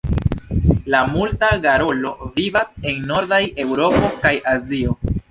La Muta garolo vivas en nordaj Eŭropo kaj Azio.